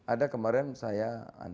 ada kemarin saya